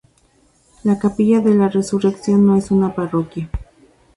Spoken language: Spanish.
La Capilla de la Resurrección no es una parroquia.